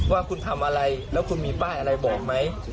ว่าคุณทำอะไรแล้วคุณมีป้ายอะไรบอกไหม